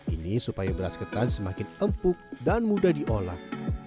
ini supaya beras ketan semakin empuk dan mudah diolah